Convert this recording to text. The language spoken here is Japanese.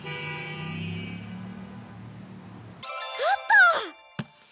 あった！